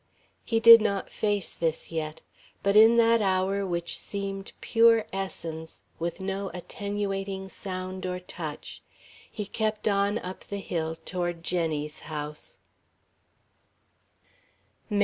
He did not face this yet. But in that hour which seemed pure essence, with no attenuating sound or touch, he kept on up the hill toward Jenny's house.